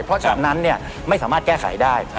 เพราะฉะนั้นไม่สามารถแก้ไขได้